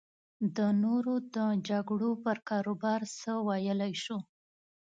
د نورو د جګړو پر کاروبار څه ویلی شو.